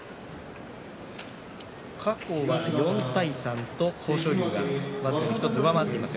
過去は４対３と豊昇龍が僅かに１つ上回っています。